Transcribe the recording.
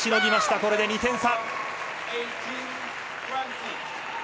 これで２点差。